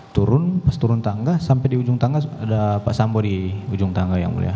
turun pas turun tangga sampai di ujung tangga ada pak sambo di ujung tangga yang mulia